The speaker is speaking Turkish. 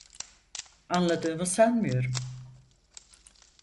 Anladığımı sanmıyorum.